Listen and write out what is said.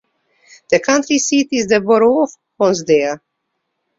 The county seat is the Borough of Honesdale.